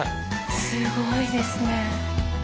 すごいですね。